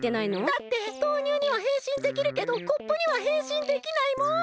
だって豆乳にはへんしんできるけどコップにはへんしんできないもん。